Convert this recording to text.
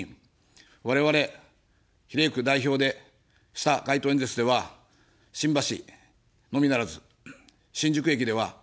我々、比例区代表でした街頭演説では、新橋のみならず、新宿駅では１５００名。